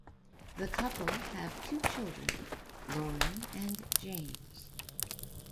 The couple have two children, Lauren and James.